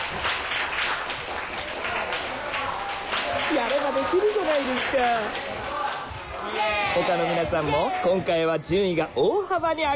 やればできるじゃないですか他の皆さんも今回は順位が大幅に上がっていました